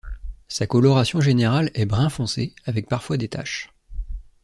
Sa coloration générale est brun foncé avec parfois des taches.